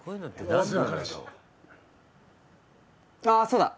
ああそうだ！